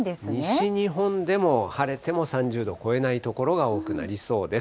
西日本でも晴れても３０度を超えない所が多くなりそうです。